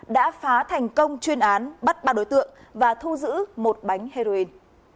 đã phá thành công chuyên án bắt ba đối tượng và thu giữ một bánh heroin